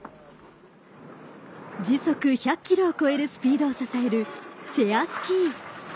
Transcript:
時速１００キロを超えるスピードを支えるチェアスキー。